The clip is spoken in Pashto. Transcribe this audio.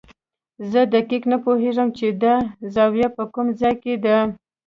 زه دقیق نه پوهېږم چې دا زاویه په کوم ځای کې ده.